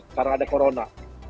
karena ada corona